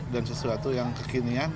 dan sesuatu yang kekinian